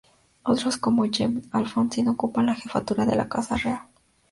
Otros como Jaime Alfonsín ocupan la Jefatura de la Casa Real.